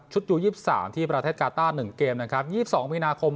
ชุดยูยี่สิบสามที่ประเทศกาต้าหนึ่งเกมนะครับยี่สิบสองมินาคม